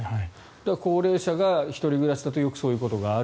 高齢者が１人暮らしだとよくそういうことがある。